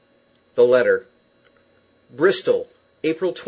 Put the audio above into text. THE LETTER. "Bristol April 20.